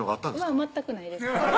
全くないです